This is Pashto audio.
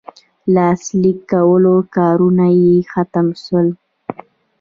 لاسلیک کولو کارونه یې ختم سول.